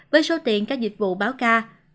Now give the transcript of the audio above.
với số tiền các dịch vụ báo ca